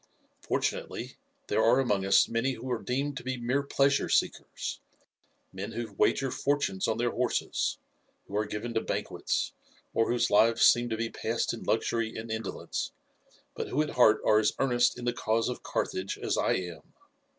Fortunately there are among us many who are deemed to be mere pleasure seekers men who wager fortunes on their horses, who are given to banquets, or whose lives seem to be passed in luxury and indolence, but who at heart are as earnest in the cause of Carthage as I am.